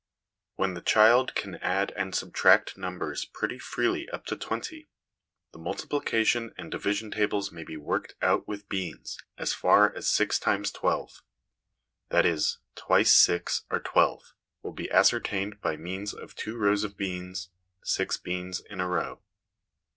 When the child can add and subtract numbers pretty freely up to twenty, the multiplication and division tables may be worked out with beans, as far as 6 x 1 2 ; that is, ' twice 6 are 1 2 ' will be ascertained by means of two rows of beans, six beans in a row.